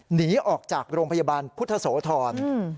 หนีออกจากโรงพยาบาลพุทธโสธร